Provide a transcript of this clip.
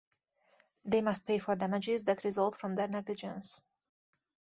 They must pay for damages that result from their negligence.